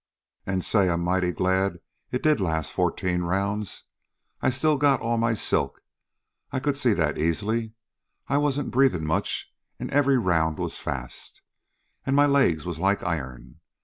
" An', say. I 'm mighty glad it did last fourteen rounds. I still got all my silk. I could see that easy. I wasn't breathin' much, an' every round was fast. An' my legs was like iron.